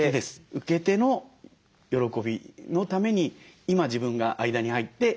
受け手の喜びのために今自分が間に入って何ができるかな。